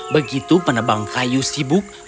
begitu penebang kayu sibuk